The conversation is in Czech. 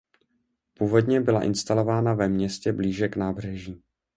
Původně byla instalována ve městě blíže k nábřeží.